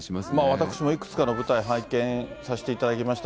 私もいくつかの舞台、拝見させていただきました、